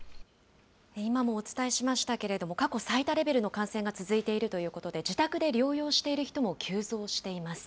今もお伝えしましたけれども、過去最多レベルの感染が続いているということで、自宅で療養している人も急増しています。